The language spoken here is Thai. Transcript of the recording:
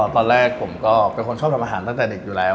ตอนแรกผมก็เป็นคนชอบทำอาหารตั้งแต่เด็กอยู่แล้ว